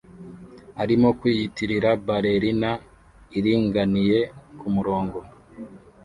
arimo kwiyitirira ballerina iringaniye kumurongo